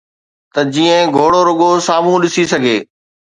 ته جيئن گهوڙو رڳو سامهون ڏسي سگهي.